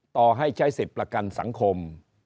ต่อให้ใช้สิทธิ์ประกันสังคม